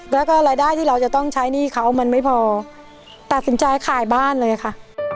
แล้วก็รายได้ที่เราจะต้องใช้หนี้เขามันไม่พอตัดสินใจขายบ้านเลยค่ะ